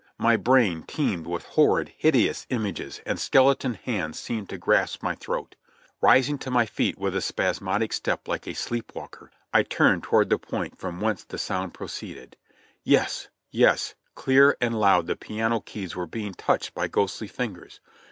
My brain teemed with horrid, hideous images, and skeleton hands seemed to grasp my throat. Rising to my feet with a spasmodic step like a sleep walker, I turned toward the point from whence the sound pro ceeded. Yes ! Yes ! Clear and loud the piano keys were being touched by ghostly fingers!